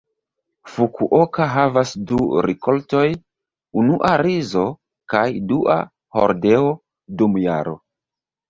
Fukuoka havas du rikoltoj, unua rizo kaj dua hordeo, dum jaro.